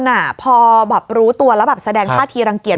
คือบางคนพอรู้ตัวแล้วแสดงภาพที่รังเกียจ